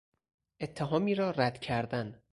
اتهامی را رد کردن